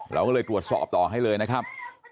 เราก็เลยตรวจสอบต่อให้เลยนะครับ